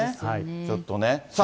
ちょっとね。